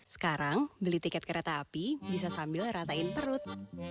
sekarang beli tiket kereta api bisa sambil ratain perut